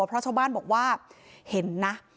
พระเช้าบ้านบอกว่าเห็นนะ